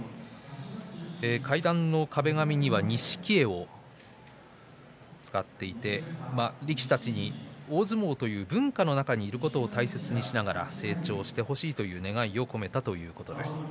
階段の壁紙には錦絵を使っていて大相撲という文化の中にいることを大切にしながら成長してほしいという願いが込められたということです。